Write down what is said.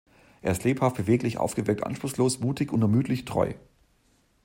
Er ist lebhaft, beweglich, aufgeweckt, anspruchslos, mutig, unermüdlich, treu.